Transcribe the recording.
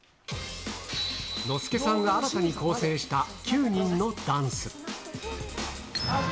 ノスケさんが新たに構成した９人のダンス。